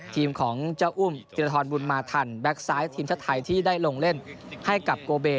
ทีมของเจ้าอุ่มธิราธรรมบุญมาธรรมแบ็คซ้ายทีมชะไทยที่ได้ลงเล่นให้กับโกเบ